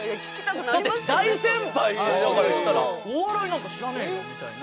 だって大先輩だから言ったら「お笑いなんか知らねえよ」みたいな。